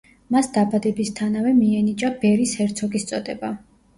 მას დაბადებისთანავე მიენიჭა ბერის ჰერცოგის წოდება.